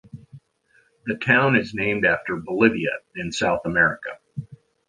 The town is named after Bolivia, in South America.